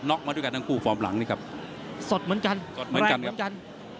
น็อกมาด้วยกันทั้งคู่ฟอร์มหลังนี่ครับสดเหมือนกันแรงเหมือนกัน